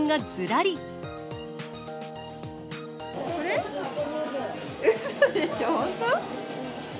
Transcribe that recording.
うそでしょ、本当？